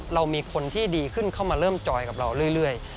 เรามีคนที่ดีขึ้นเข้ามาเริ่มจอยกับเราเรื่อย